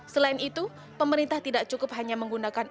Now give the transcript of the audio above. selain itu pemerintah tidak cukup hanya menggunakan